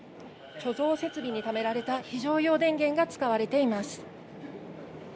貯蔵設備にためられた非常用電源が使われています。